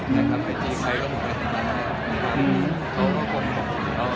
มันจะมีเหมือนตอกยังไหมคะว่าเรากับบ่าวไม่สูญกันแล้ว